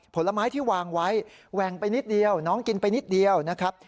ผลไม้ที่วางไว้แหว่งไปนิดเดียวน้องกินไปนิดเดียวนะครับ